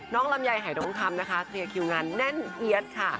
น้องลำไยไฮทองคำนะคะสเตียคิวงานแน่นเอี๊ยดค่ะ